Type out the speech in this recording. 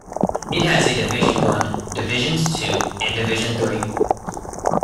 It has a Division One, Divisions Two and Division Three.